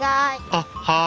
あっはい。